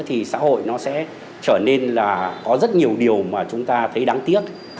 thì xã hội nó sẽ trở nên là có rất nhiều điều mà chúng ta thấy đáng tiếc